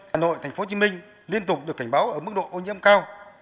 hà nội tp hcm liên tục được cảnh báo ở mức độ ô nhiễm cao